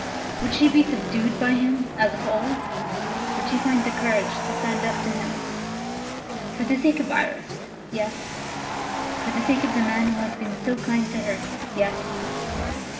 Would she be subdued by him as of old? Would she find the courage to stand up to him? For the sake of Iris yes. For the sake of the man who had been so kind to her yes.